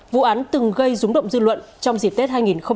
vụ án từng gây rúng động dư luận trong dịp tết hai nghìn một mươi chín